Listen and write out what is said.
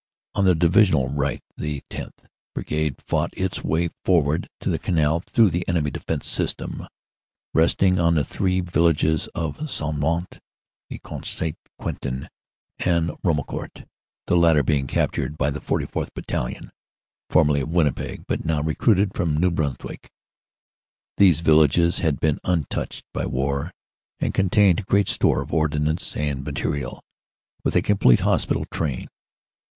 On the Divisional right the 10th. Brigade fought its way forward to the canal through the enemy defense system resting on the three villages of Saudemont, Ecourt St. Quentin and Rumau court, the latter being captured by the 44th. Battalion, formerly of Winnipeg but now recruited from New Brunswick. These villages had been untouched by war and contained great store of ordnance and material, with a complete hospital train.